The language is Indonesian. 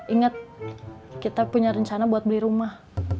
ingat kita punya rencana buat beli rumah